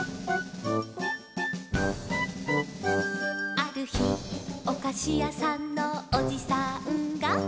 「あるひおかしやさんのおじさんが」